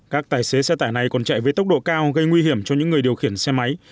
các tài xế xe tải này còn chạy với tốc độ cao gây nguy hiểm cho những người điều khiển xe máy